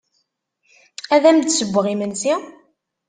Ad am-d-ssewweɣ imensi?